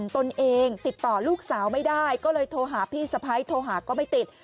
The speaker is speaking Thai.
ตนเองติดต่อลูกสาวไม่ได้ก็เลยโทรหาพี่สะพ้ายโทรหาก็ไม่ติด